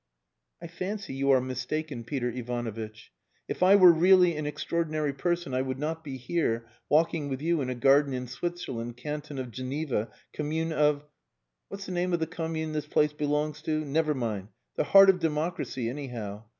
"I fancy you are mistaken, Peter Ivanovitch. If I were really an extraordinary person, I would not be here, walking with you in a garden in Switzerland, Canton of Geneva, Commune of what's the name of the Commune this place belongs to?... Never mind the heart of democracy, anyhow.